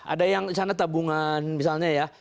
ada yang misalnya tabungan misalnya ya